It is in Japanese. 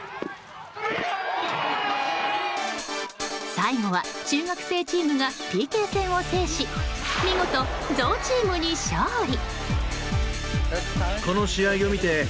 最後は中学生チームがＰＫ戦を制し見事、ゾウチームに勝利。